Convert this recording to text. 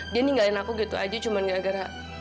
dia ninggalin aku gitu aja cuma nggak gara gara